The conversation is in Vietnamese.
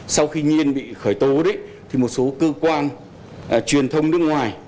sau khi nhiên bị khởi tố một số cơ quan truyền thông nước ngoài